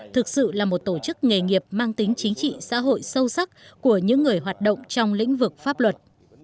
thực sự là một tổ chức nghề nghiệp mang tính chính trị xã hội sâu sắc của những người hoạt động trong lĩnh vực pháp luật